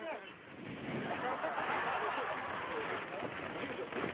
住職？